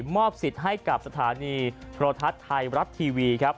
มอบสิทธิ์ให้กับสถานีโทรทัศน์ไทยรัฐทีวีครับ